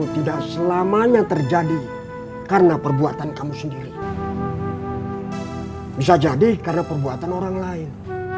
tidak selamanya terjadi karena perbuatan kamu sendiri bisa jadi karena perbuatan orang lain